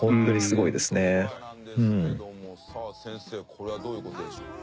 これはどういう事でしょうか？